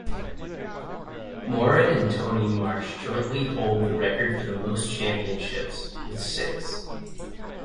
Moran and Tony Marsh jointly hold the record for the most championships, with six.